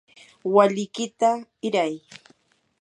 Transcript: walikiyta hiray.